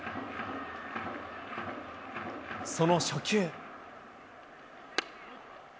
その初球。